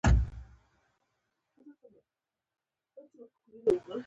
خو موږ یې لا پېژنو هم نه.